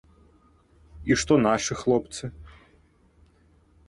І што нашы хлопцы?